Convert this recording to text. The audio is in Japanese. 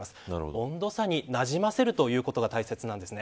温度差になじませることが大切なんですね。